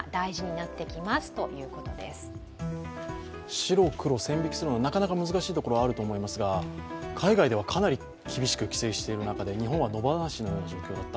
白黒、線引きするのはなかなか難しいところがあると思いますが海外ではかなり厳しく規制している中で日本は野放しのような状況だった。